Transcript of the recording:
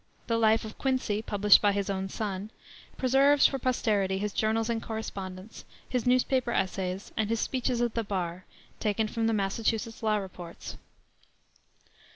The life of Quincy, published by his son, preserves for posterity his journals and correspondence, his newspaper essays, and his speeches at the bar, taken from the Massachusetts law reports.